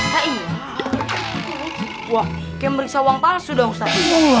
wah kayak merisa uang palsu dong ustadz